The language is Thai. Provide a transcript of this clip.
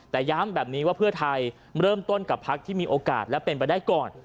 แต่ย้ำแบบนี้ว่าเพื่อไทยเริ่มต้นกับพักที่มีโอกาสและเป็นไปได้ก่อน